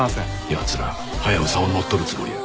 奴らハヤブサを乗っ取るつもりや。